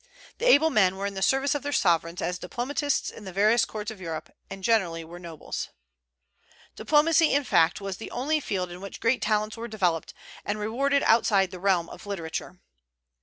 The able men were in the service of their sovereigns as diplomatists in the various courts of Europe, and generally were nobles. Diplomacy, in fact, was the only field in which great talents were developed and rewarded outside the realm of literature.